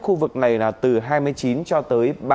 khu vực này là từ hai mươi chín cho tới